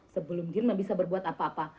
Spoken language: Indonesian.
sebelum dirma bisa berbuat apa apa